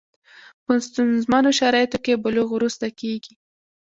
په ستونزمنو شرایطو کې بلوغ وروسته کېږي.